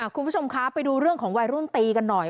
คุณผู้ชมคะไปดูเรื่องของวัยรุ่นตีกันหน่อย